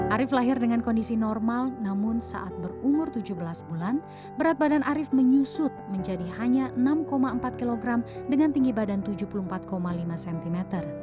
arief lahir dengan kondisi normal namun saat berumur tujuh belas bulan berat badan arief menyusut menjadi hanya enam empat kg dengan tinggi badan tujuh puluh empat lima cm